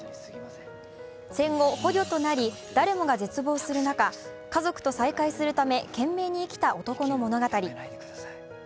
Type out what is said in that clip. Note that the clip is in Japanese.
戦後捕虜となり誰もが絶望する中家族と再会するため、懸命に生きた男の物語。